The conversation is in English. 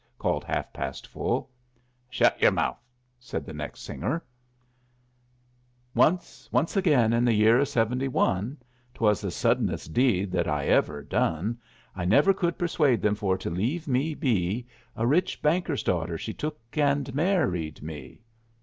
called Half past Full. "Shut yer mouth," said the next singer: "Once, once again in the year o' 71 ['Twas the suddenest deed that I ever done) I never could persuade them for to leave me be A rich banker's daughter she took and married me."